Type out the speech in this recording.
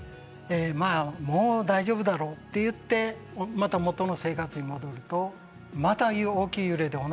「まあもう大丈夫だろう」って言ってまた元の生活に戻るとまた大きい揺れで同じことを繰り返す。